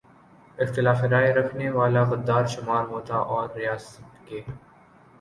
اختلاف رائے رکھنے والا غدار شمار ہوتا اور ریاست کے